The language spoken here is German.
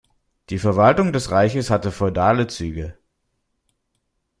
Die Verwaltung des Reiches hatte feudale Züge.